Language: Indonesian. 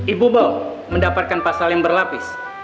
ibu bau mendapatkan pasal yang berlapis